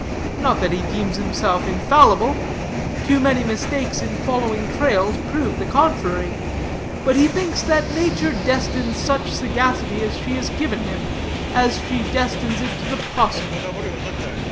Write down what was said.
Not that he deems himself infallible; too many mistakes in following trails prove the contrary; but he thinks that nature destines such sagacity as she has given him, as she destines it to the 'possum.